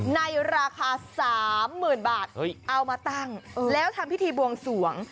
ในราคา๓๐๐๐บาทเอามาตั้งแล้วทำพิธีบวงสวง